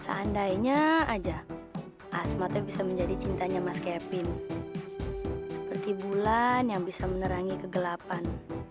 seandainya aja asmatnya bisa menjadi cintanya mas kevin seperti bulan yang bisa menerangi kegelapan